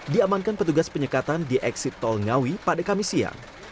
diamankan petugas penyekatan di eksit tol ngawi pada kamis siang